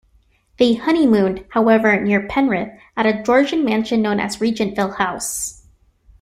They honeymooned, however, near Penrith, at a Georgian mansion known as Regentville House.